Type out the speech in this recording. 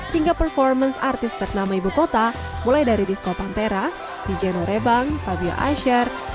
hingga performance artis ternama ibu kota mulai dari disco pantera dj norebang fabio asher